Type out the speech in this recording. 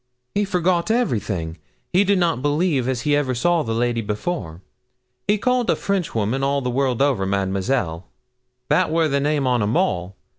'He forgot everything; he did not believe as he ever saw the lady before. He called a Frenchwoman, all the world over, Madamasel that wor the name on 'em all.